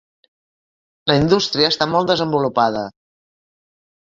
La indústria està molt desenvolupada.